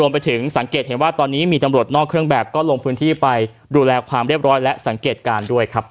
รวมไปถึงสังเกตเห็นว่าตอนนี้มีสำหรับเพื่อนกลางโรงการ